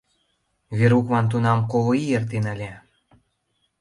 Веруклан тунам коло ий эртен ыле.